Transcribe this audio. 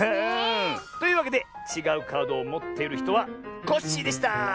というわけでちがうカードをもっているひとはコッシーでした！